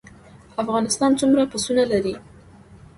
افغانستان څومره پسونه لري؟